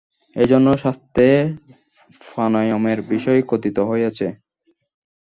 এইজন্যই শাস্ত্রে প্রাণায়ামের বিষয় কথিত হইয়াছে।